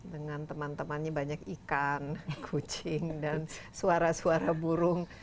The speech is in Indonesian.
dengan teman temannya banyak ikan kucing dan suara suara burung